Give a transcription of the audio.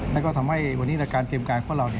นั่นก็ทำให้วันนี้ในการเตรียมการของเรา